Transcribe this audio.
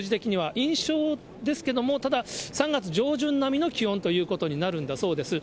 印象ですけれども、ただ、３月上旬並みの気温ということになるんだそうです。